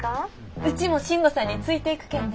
うちも信吾さんについていくけんね。